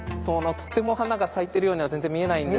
とても花が咲いてるようには全然見えないんですけど。